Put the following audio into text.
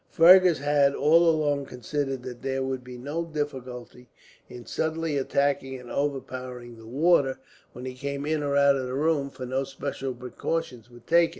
Fergus had, all along, considered that there would be no difficulty in suddenly attacking and overpowering the warder, when he came in or out of his room, for no special precautions were taken.